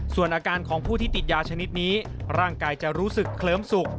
ส่วนอาการของผู้ที่ติดยาชนิดนี้ร่างกายจะรู้สึกเคลิ้มสุข